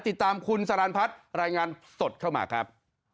ติดตามคุณสรรพัฒน์รายงานสดเข้ามาครับ